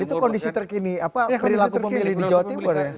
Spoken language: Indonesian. itu kondisi terkini perilaku pemilih di jawa timur ya